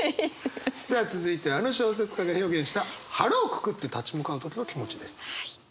さあ続いてはあの小説家が表現した腹をくくって立ち向かう時の気持ちです。